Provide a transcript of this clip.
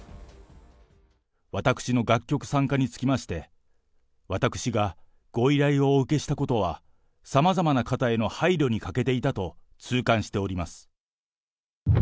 私の楽曲参加につきまして、私がご依頼をお受けしたことはさまざまな方への配慮に欠けていたと痛感しております。